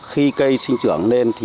khi cây sinh trưởng lên thì